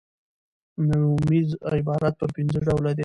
نومیز عبارت پر پنځه ډوله دئ.